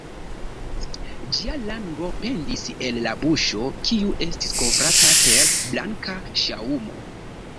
Ĝia lango pendis el la buŝo, kiu estis kovrata per blanka ŝaŭmo.